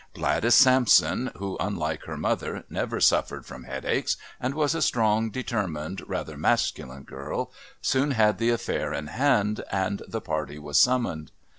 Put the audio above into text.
Gladys Sampson, who, unlike her mother, never suffered from headaches, and was a strong, determined, rather masculine girl, soon had the affair in hand, and the party was summoned.